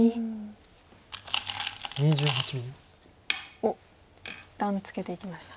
おっ一旦ツケていきました。